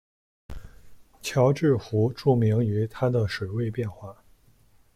乔治湖著名于它的水位变化。